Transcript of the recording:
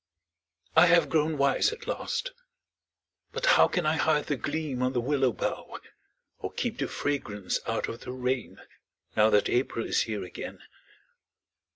I have grown wise at last but how Can I hide the gleam on the willow bough, Or keep the fragrance out of the rain Now that April is here again?